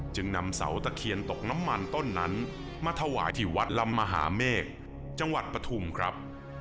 จึงนำเสาตะเคียนตกน้ำมันต้นนั้นมาถวายที่วัดลำมหาเมฆจังหวัดปฐุมครับ